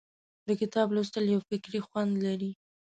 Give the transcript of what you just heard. د کتاب لوستل یو فکري خوند لري.